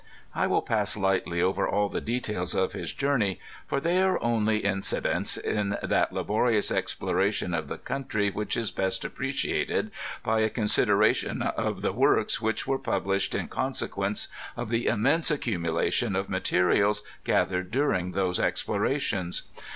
I will pasa lightly over all the details of his journey, for they are only inci dents in that laborious exploration of the country which is best appreciated by a consideration of the works which were pub lished in consequence of the immense accumulation of materials gathered during those explorations.